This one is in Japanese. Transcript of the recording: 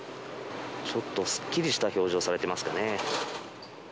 ちょっとすっきりした表情されてますかね。